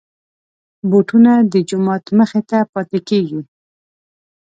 بوټونه د جومات مخې ته پاتې کېږي.